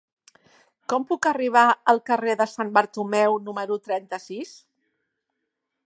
Com puc arribar al carrer de Sant Bartomeu número trenta-sis?